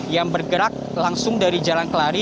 yang bergerak langsung dari jalan kelari